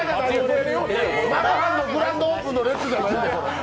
グランドオープンの列じゃない。